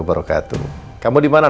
terima kasih sudah nonton